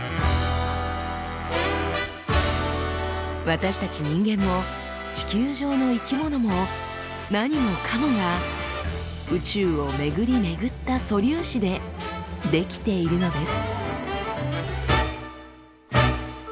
私たち人間も地球上の生き物も何もかもが宇宙を巡り巡った素粒子で出来ているのです。